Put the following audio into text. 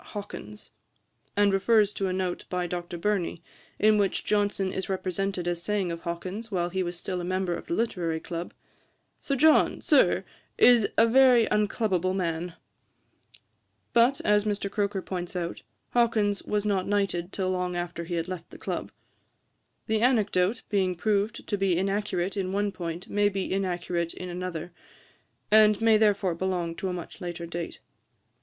Hawkins,' and refers to a note by Dr. Burney (ante, i. 480, note I), in which Johnson is represented as saying of Hawkins, while he was still a member of the Literary Club: 'Sir John, Sir, is a very unclubable man.' But, as Mr. Croker points out (Croker's Boswell, p. 164), 'Hawkins was not knighted till long after he had left the club.' The anecdote, being proved to be inaccurate in one point, may be inaccurate in another, and may therefore belong to a much later date.